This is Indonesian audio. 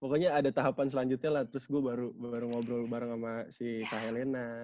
pokoknya ada tahapan selanjutnya lah terus gue baru ngobrol bareng sama si kak helena